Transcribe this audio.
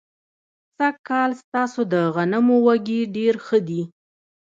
سږ کال ستاسو د غنمو وږي ډېر ښه دي.